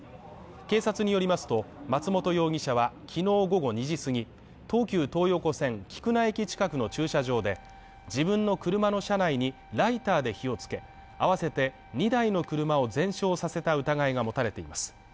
警察によりますと、松本容疑者はきのう午後２時すぎ、東急東横線菊名駅近くの駐車場で自分の車の車内にライターで火をつけ、合わせて２台の車を全焼させた疑いが持たれています。